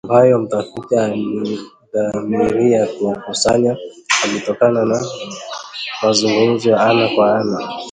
ambayo mtafiti alidhamiria kukusanya ilitokana na mazungumzo ya ana kwa ana